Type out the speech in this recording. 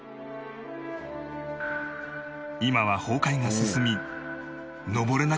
今は崩壊が進み上れなくなった神社